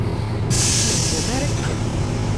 Ur ttnehzam ara akken!